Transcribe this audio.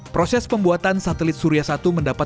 proses pembuatan satelit surya satu mendapat dukungan dari